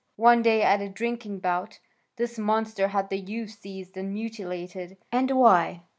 One day at a drinking bout this monster had the youth seized and mutilated, and why?